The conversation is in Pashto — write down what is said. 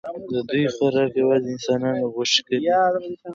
د دوی خوراک یوازې د انسانانو غوښې دي.